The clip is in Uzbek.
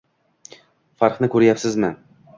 Farqni ko‘ryapsizmi?